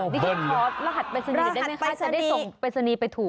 ดิฉันพอร์สรหัสเปรษณีย์ได้ไหมคะจะได้ส่งเปรษณีย์ไปถูก